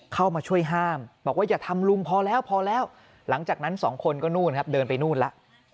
เข้ามาช่วยห้ามบอกว่าอย่าทำลุงพอแล้วพอแล้วหลังจากนั้นสองคนก็นู่นครับเดินไปนู่นแล้ว